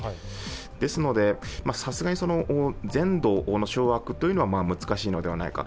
ですので、さすがに全土の掌握というのは難しいのではないか。